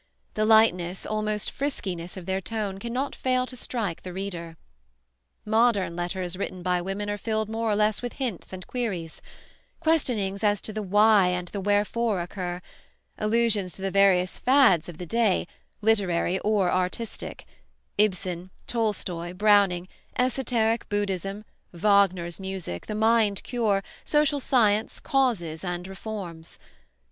The lightness, almost friskiness, of their tone cannot fail to strike the reader. Modern letters written by women are filled more or less with hints and queries; questionings as to the why and the wherefore occur; allusions to the various "fads" of the day, literary or artistic, Ibsen, Tolstoi, Browning, Esoteric Buddhism, Wagner's Music, the Mind Cure, Social Science, Causes and Reforms.